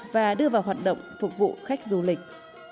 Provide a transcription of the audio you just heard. và đưa vào hoạt động phục vụ khách du lịch